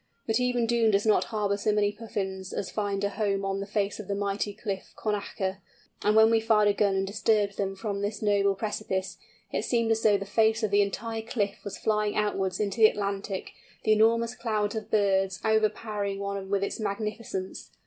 But even Doon does not harbour so many Puffins as find a home on the face of the mighty cliff Connacher; and when we fired a gun and disturbed them from this noble precipice, it seemed as though the face of the entire cliff was falling outwards into the Atlantic, the enormous cloud of birds overpowering one with its magnificence!